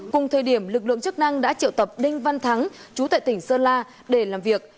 cùng thời điểm lực lượng chức năng đã triệu tập đinh văn thắng chú tại tỉnh sơn la để làm việc